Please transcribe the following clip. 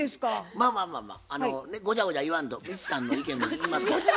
まあまあまあまあごちゃごちゃ言わんと未知さんの意見も聞きますから。